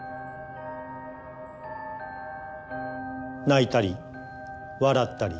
泣いたり笑ったり。